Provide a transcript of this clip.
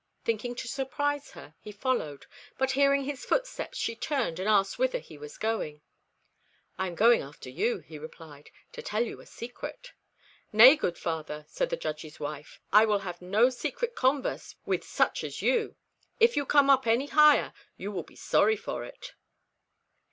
Thinking to surprise her, he followed, but hearing his footsteps she turned and asked whither he was going. "I am going after you," he replied, "to tell you a secret." "Nay, good father," said the Judge's wife. "I will have no secret converse with such as you. If you come up any higher, you will be sorry for it."